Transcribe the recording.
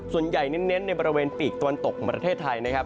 เน้นในบริเวณปีกตะวันตกของประเทศไทยนะครับ